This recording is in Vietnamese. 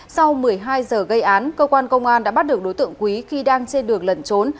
sau một mươi hai giờ gây án cơ quan công an đã bắt được đối tượng quý khi đang trên đường lẩn trốn